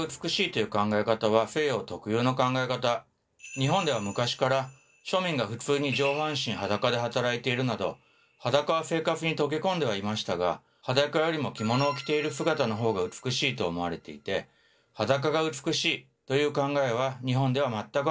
日本では昔から庶民が普通に上半身裸で働いているなど裸は生活に溶け込んではいましたが裸よりも着物を着ている姿のほうが美しいと思われていて「裸が美しい」という考えは日本では全くありませんでした。